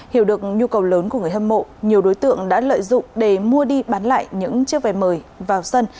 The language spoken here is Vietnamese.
hiểu được nhu cầu lớn của người hâm mộ nhiều đối tượng đã lợi dụng để mua đi bán lại những chiếc vé mời vào sân